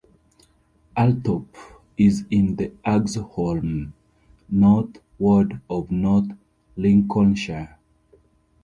Althorpe is in the Axholme North ward of North Lincolnshire.